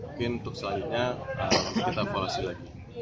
mungkin untuk selanjutnya nanti kita evaluasi lagi